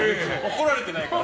怒られてないから。